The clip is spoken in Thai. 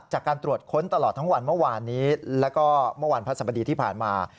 จากการตรวจค้นตลอดทั้งวันเมื่อวานนี้แล้วก็เมื่อวันพระสบดีที่ผ่านมา